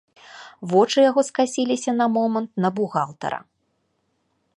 Вочы яго скасіліся на момант на бухгалтара.